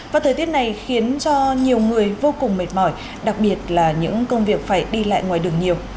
và thời tiết này khiến cho nhiều người vô cùng mệt mỏi đặc biệt là những công việc phải đi lại ngoài đường nhiều